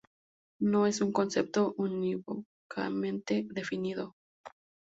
No es un concepto unívocamente definido.